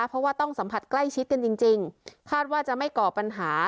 เพราะว่าต้องสัมผัสใกล้ชิดกันจริงคาดว่าจะไม่ก่อปัญหา